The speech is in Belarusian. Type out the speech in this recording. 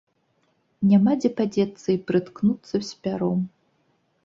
Няма дзе падзецца і прыткнуцца з пяром.